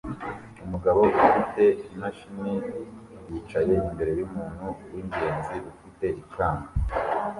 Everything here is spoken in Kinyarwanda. umugabo ufite imashini yicaye imbere yumuntu wingenzi ufite ikamba